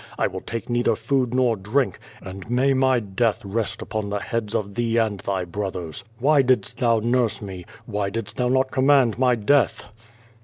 I will take neither food nor drink, and may my death rest upon the heads of thee and thy brothers. Why didst thou nurse me? Why didst thou not command my death?"